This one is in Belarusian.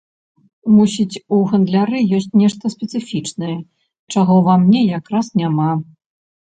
Мусіць, у гандляры ёсць нешта спецыфічнае, чаго ва мне якраз няма.